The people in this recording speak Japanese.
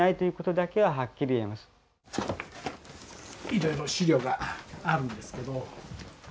いろいろ史料があるんですけど。